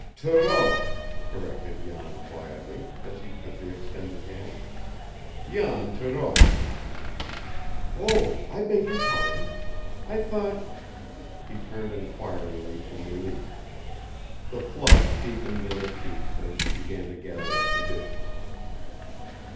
"Thoreau," corrected Jan quietly, as he took the extended hand. "Jan Thoreau." "Oh, I beg your pardon. I thought " He turned inquiringly to Mélisse. The flush deepened in her cheeks as she began to gather up the dishes.